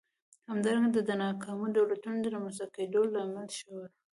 همدارنګه دا د ناکامو دولتونو د رامنځته کېدو لامل شول.